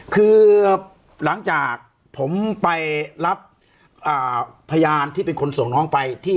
คือหลังจากผมไปรับพยานที่เป็นคนส่งน้องไปที่